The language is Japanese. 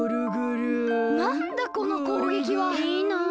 なんだこのこうげきは。いいな。